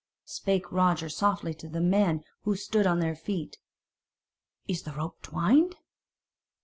Spake Roger softly to the men who stood on their feet: "Is the rope twined?"